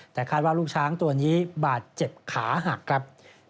แต่คาดว่าลูกช้างตัวนี้บาดเจ็บขาหักครับ